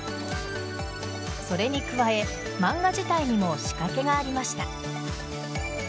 それに加え、漫画自体にも仕掛けがありました。